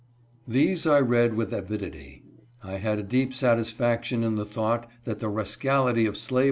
These I read with avidity. I had a deep satisfaction in the thought that the rascality of slave